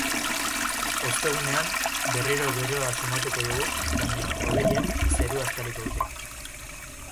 Ostegunean, berriro beroa sumatuko dugu, baina hodeiek zerua estaliko dute.